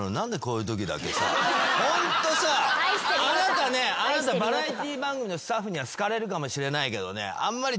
ホントさあなたねあなたバラエティー番組のスタッフには好かれるかもしれないけどねあんまり。